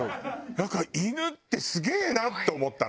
だから犬ってすげえな！って思ったの。